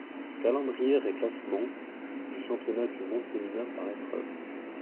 Calendrier et classements du championnat du monde féminin par épreuves.